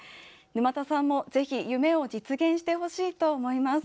沼田さんもぜひ夢を実現してほしいと思います。